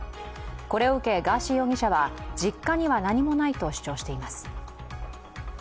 これを受け、ガーシー容疑者は実家には何もないと主張しています。